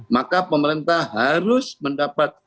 maka pemerintah harus mendapat